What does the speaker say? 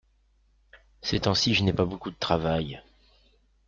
Ces temps-ci je n’ai pas beaucoup de travail.